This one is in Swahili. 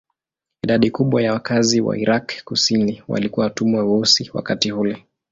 Idadi kubwa ya wakazi wa Irak kusini walikuwa watumwa weusi wakati ule.